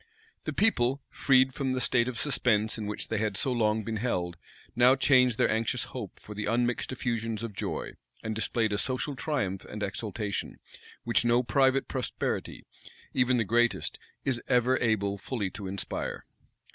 The people, freed from the state of suspense in which they had so long been held, now changed their anxious hope for the unmixed effusions of joy; and displayed a social triumph and exultation, which no private prosperity, even the greatest, is ever able fully to inspire.